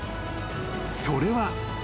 ［それは］